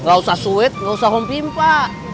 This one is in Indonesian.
nggak usah sweet nggak usah home pimpa